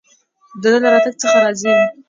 د ده له راتګ څخه راضي یم.